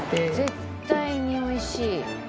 絶対に美味しい。